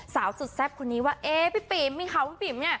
สาวสุดแซนคตี้ว่าเอ๊ยพี่ปิมหมีข้าวพี่ปิม